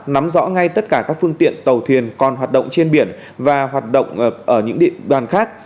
nắm rõ ngay tất cả các phương tiện tàu thuyền còn hoạt động trên biển và hoạt động ở những đoàn khác